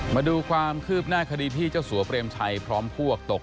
มาดูความคลิปในคดีที่เจ้าสั่วเปรมชัยพร้อมพวก